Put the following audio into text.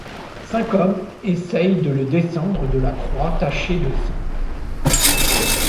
Cinq hommes essayent de le descendre de la croix tachée de sang.